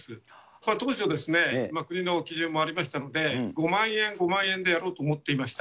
これは当初、国の基準もありましたので、５万円・５万円でやろうと思っていました。